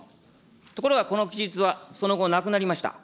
ところがこの記述はその後、なくなりました。